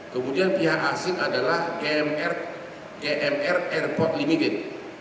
kemudian pihak asing adalah gmr airport limited